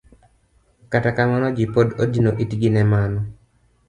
Kata kamano ji pod odino itgi ne mano.